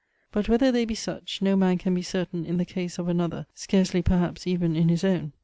But whether they be such, no man can be certain in the case of another, scarcely perhaps even in his own.